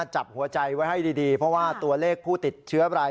จับหัวใจไว้ให้ดีเพราะว่าตัวเลขผู้ติดเชื้อราย